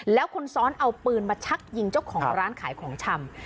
แล้วคนซ้อนเอาปืนมาชักยิงเจ้าของร้านขายของชำ